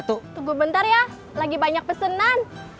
tunggu sebentar ya lagi banyak pesanan